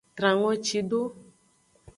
Tran ngoci do.